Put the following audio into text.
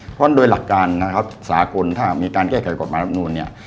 เพราะว่าโดยหลักการสาหกลถ้ามีการแก้ไขกฐกรรมนั่นนี่